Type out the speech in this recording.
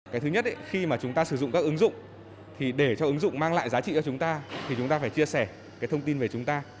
cái thứ nhất khi mà chúng ta sử dụng các ứng dụng thì để cho ứng dụng mang lại giá trị cho chúng ta thì chúng ta phải chia sẻ cái thông tin về chúng ta